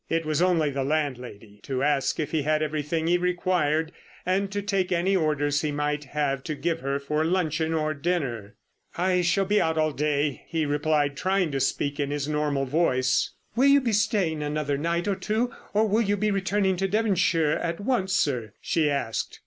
It was only the landlady to ask if he had everything he required and to take any orders he might have to give her for luncheon or dinner. "I shall be out all day," he replied, trying to speak in his normal voice. "Will you be staying another night or two, or will you be returning to Devonshire at once, sir?" she asked.